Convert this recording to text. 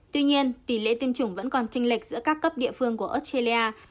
tuy nhiên tỷ lệ tiêm chủng vẫn còn tranh lệch giữa các cấp địa phương của australia